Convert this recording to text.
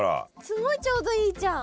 すごいちょうどいいじゃん。